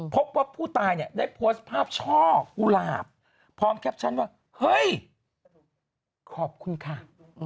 พบว่าผู้ตายเนี่ยได้โพสต์ภาพช่อกุหลาบพร้อมแคปชั่นว่าเฮ้ยขอบคุณค่ะ